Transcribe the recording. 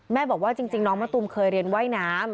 บอกว่าจริงน้องมะตูมเคยเรียนว่ายน้ำ